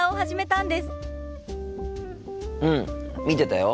うん見てたよ。